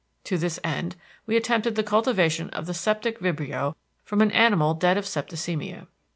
To this end, we attempted the cultivation of the septic vibrio from an animal dead of septicemia.